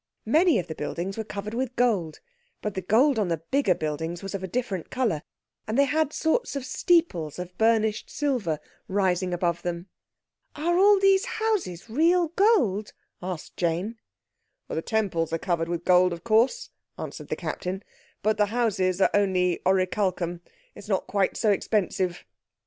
Many of the buildings were covered with gold, but the gold on the bigger buildings was of a different colour, and they had sorts of steeples of burnished silver rising above them. "Are all these houses real gold?" asked Jane. "The temples are covered with gold, of course," answered the Captain, "but the houses are only oricalchum. It's not quite so expensive."